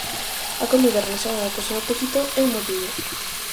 A comida relacionada co seu apetito é un motivo.